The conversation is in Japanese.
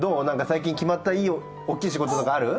最近決まった大きい仕事とかある？